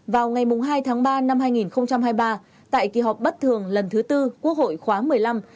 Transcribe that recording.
vào ngày hai tháng ba năm hai nghìn hai mươi ba tại kỳ họp bất thường lần thứ tư quốc hội khóa một mươi năm